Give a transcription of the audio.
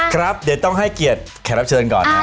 ครับเดี๋ยวต้องให้เกียรติแขกรับเชิญก่อนนะครับ